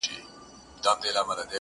زاړه کيسې بيا راژوندي کيږي تل,